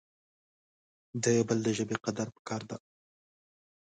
د بل دژبي قدر پکار د